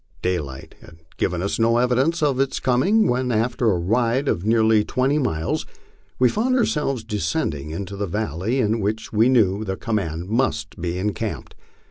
Daylight had given us no evidence of its coming, when, after a ride of near ly twenty miles, we found ourselves descending into a valley in which we knev the command must be encamped.